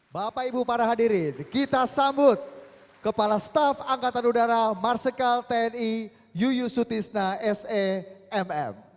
bapak ibu para hadirin kita sambut kepala staf angkatan udara marsikal tni yuyusutisna semm